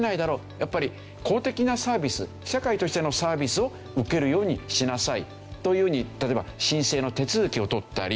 やっぱり公的なサービス社会としてのサービスを受けるようにしなさいというように例えば申請の手続きを取ったり。